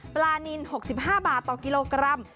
ปลานิน๖๕บาทต่อกิโลกรัม